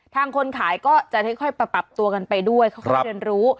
คนขายก็จะค่อยปรับตัวกันไปด้วยเขาก็เรียนรู้